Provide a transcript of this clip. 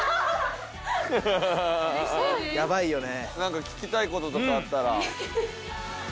ヤバいよね。